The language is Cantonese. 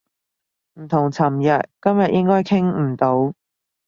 唔同尋日，今日應該傾唔到